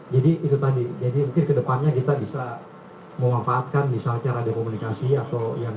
jadi itu tadi jadi mungkin kedepannya kita bisa memanfaatkan misal cara dikomunikasi atau yang